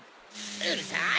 うるさい！